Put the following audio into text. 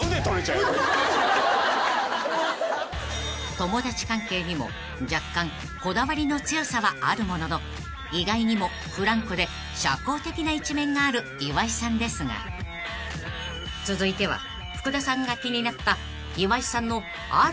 ［友達関係にも若干こだわりの強さはあるものの意外にもフランクで社交的な一面がある岩井さんですが続いては福田さんが気になった］